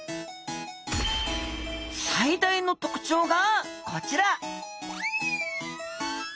最大の特徴がこちら！